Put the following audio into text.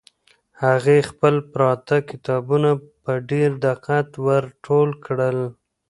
هغې خپل پراته کتابونه په ډېر دقت ور ټول کړل.